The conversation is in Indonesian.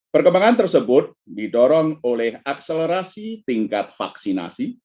perkembangan tersebut didorong oleh akselerasi tingkat vaksinasi